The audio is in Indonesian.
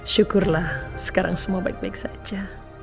syukurlah sekarang semua baik baik saja